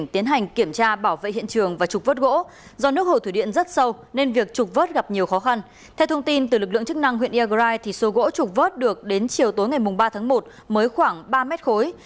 theo thông tin từ lực lượng chức năng huyện iagrai thì số gỗ trục vớt được đến chiều tối ngày ba tháng một mới khoảng ba mét khối